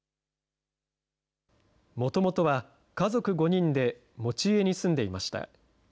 もともとは、家族５人で持ち家に住んでいました。